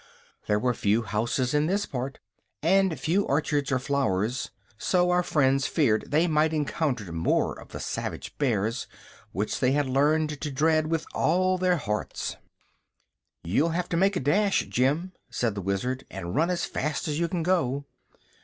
There were few houses in this part, and few orchards or flowers; so our friends feared they might encounter more of the savage bears, which they had learned to dread with all their hearts. "You'll have to make a dash, Jim," said the Wizard, "and run as fast as you can go."